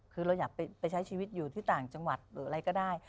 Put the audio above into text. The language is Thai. คือเราอยากไปใช้ชีวิตอยู่ที่ต่างจังหวัดหรืออะไรก็ได้